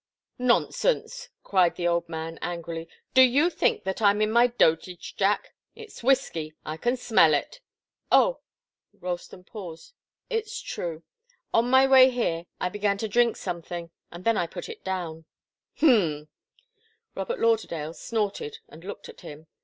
"Nonsense!" cried the old man, angrily. "Do you think that I'm in my dotage, Jack? It's whiskey. I can smell it!" "Oh!" Ralston paused. "It's true on my way here, I began to drink something and then put it down." "Hm!" Robert Lauderdale snorted and looked at him.